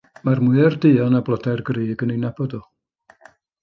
Mae'r mwyar duon a blodau'r grug yn ei nabod o.